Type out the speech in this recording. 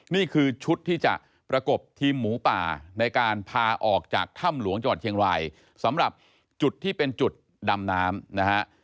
นี่คือชุดที่จะประกบทีมหมูป่าในการพาออกจากถ้ำหลวงจังหวัดเชียงรายสำหรับจุดที่เป็นจุดดำน้ำนะฮะ